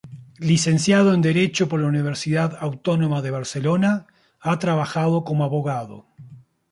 Licenciado en derecho por la Universidad Autónoma de Barcelona, ha trabajado como abogado.